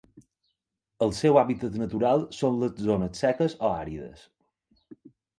El seu hàbitat natural són les zones seques o àrides.